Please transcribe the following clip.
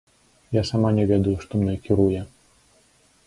Я сама не ведаю, што мной кіруе.